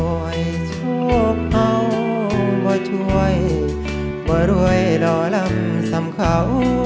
โอ๊ยชั่วเผ่าว่าช่วยว่ารวยรอลำสำเขา